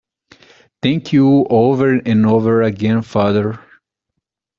Thank you over and over again, father!